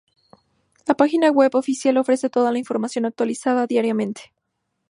La página web oficial ofrece toda la información actualizada diariamente.